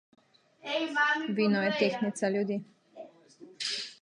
Vino je tehtnica ljudi.